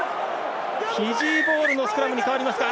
フィジーボールのスクラムに変わりますが。